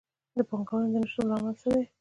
د پانګونې د نه شتون لامل څه دی؟